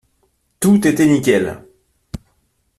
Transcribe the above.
Tout était nickel!